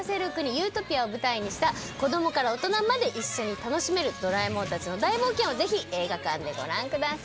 ユートピアを舞台にした子供から大人まで一緒に楽しめるドラえもんたちの大冒険をぜひ映画館でご覧ください。